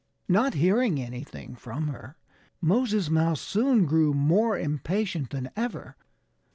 Not hearing anything from her, Moses Mouse soon grew more impatient than ever.